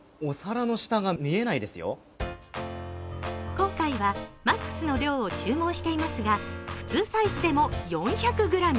今回はマックスの量を注文していますが、普通サイズでも４００ｇ。